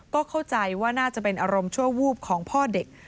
ก็เข้าใจว่าน่าจะเป็นอารมณ์ชั่ววูบของพ่อเด็ก